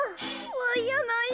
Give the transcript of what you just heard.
わいやない